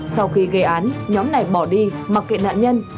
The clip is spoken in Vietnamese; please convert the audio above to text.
sau khi gây án nhóm này bỏ đi mặc kiện nạn nhân